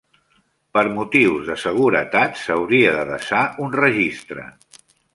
Per motius de seguretat, s'hauria de desar un registre.